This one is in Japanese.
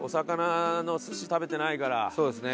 そうですね。